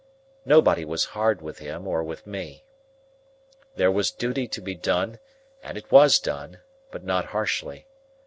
Nobody was hard with him or with me. There was duty to be done, and it was done, but not harshly.